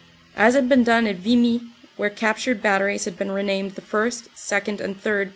As had been done at Vimy, where captured bat teries had been renamed the 1st., 2nd., and 3rd.